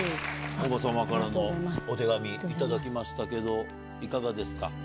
伯母様からのお手紙頂きましたけどいかがですか？